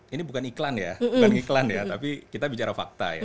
ini bukan iklan ya tapi kita bicara fakta ya